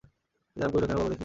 সীতারাম কহিল, কেন বলো দেখি?